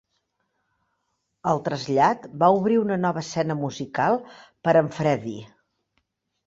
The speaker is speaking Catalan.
El trasllat va obrir una nova escena musical per a en Freddie.